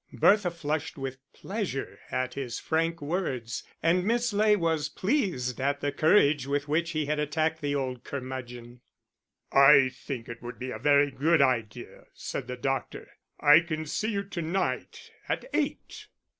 Bertha flushed with pleasure at his frank words, and Miss Ley was pleased at the courage with which he had attacked the old curmudgeon. "I think it would be a very good idea," said the doctor. "I can see you to night at eight."